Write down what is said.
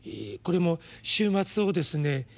これも終末をですね